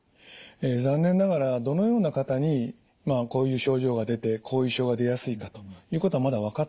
残念ながらどのような方にまあこういう症状が出て後遺症が出やすいかということはまだ分かっておりません。